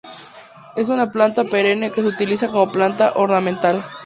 Es una planta perenne que se utiliza como planta ornamental.